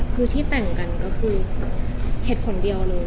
คือที่แต่งกันก็คือเหตุผลเดียวเลย